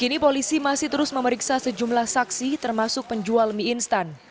kini polisi masih terus memeriksa sejumlah saksi termasuk penjual mie instan